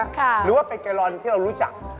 หรือว่าเป็นแกลลอนที่เรารู้จัก